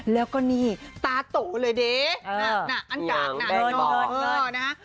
แล้วก็นี่ตาตู่เลยดิเออน่ะอันดับน่ะเงินเงินเงินนะฮะ